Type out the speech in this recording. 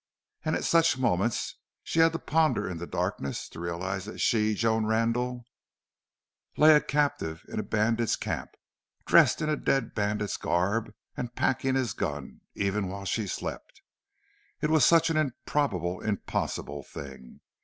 And at such moments, she had to ponder in the darkness, to realize that she, Joan Randle, lay a captive in a bandit's camp, dressed in a dead bandit's garb, and packing his gun even while she slept. It was such an improbable, impossible thing.